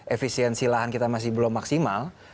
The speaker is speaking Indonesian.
efisiensi lahan kita masih belum maksimal